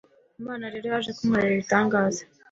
Imana rero yaje kunkorera ibitangaza